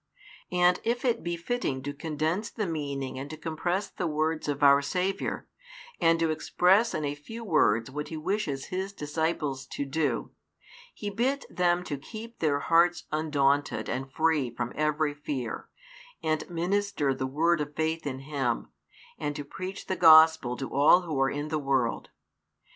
And, if it be fitting to condense the meaning and to compress the words of our Saviour, and to express in a few words what He wishes His disciples to do, He bids them to keep their hearts undaunted and free from every fear, and minister the word of faith in Him, and to preach the Gospel to all who are in the world.